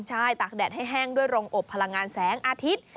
ใช่ตากแดดให้แห้งด้วยโรงอบพลังงานแสงอาทิตย์